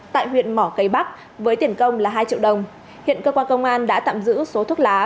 tại huyện mỏ cây bắc với tiền công là hai triệu đồng hiện cơ quan công an đã tạm giữ số thuốc lá